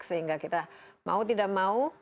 sehingga kita mau tidak mau